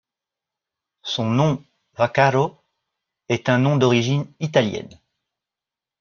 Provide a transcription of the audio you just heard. Son nom Vaccaro est un nom d'origine italienne.